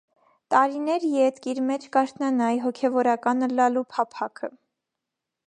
Տարիներ ետք իր մէջ կ՝ արթննայ հոգեւորական ըլլալու փափաքը։